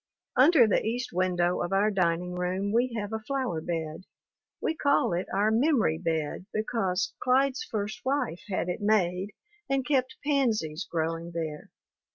Under the east window of our dining room we have a flower bed. We call it our memory bed because Clyde's first wife had it made and kept pansies growing there.